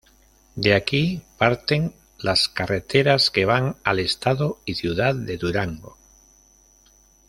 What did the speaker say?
De aquí parten las carreteras que van al estado y ciudad de Durango.